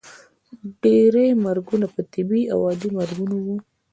ډیری مرګونه به طبیعي او عادي مرګونه وو.